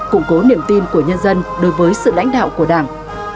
củng cố niềm tin của nhân dân đối với sự lãnh đạo của đảng